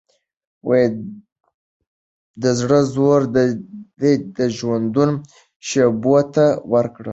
د زړه زور دي د ژوندون شېبو ته وركه